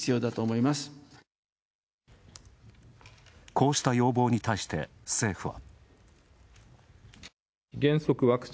こうした要望に対して、政府は。